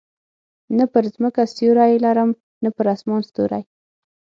نه پر مځکه سیوری لرم، نه پر اسمان ستوری.